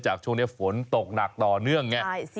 จากช่วงนี้ฝนตกหนักต่อเนื่องเนี่ย